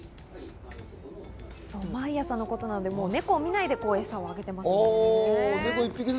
毎朝のことなので、猫を見ないで餌をあげていますね。